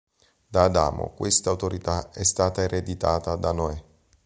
Da Adamo questa autorità è stata ereditata da Noè.